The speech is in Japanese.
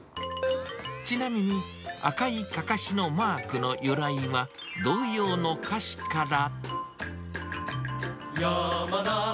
ちなみに、赤いかかしのマークの由来は、童謡の歌詞から。